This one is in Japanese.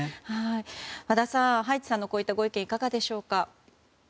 和田さん、葉一さんのこういったご意見いかがでしょうか。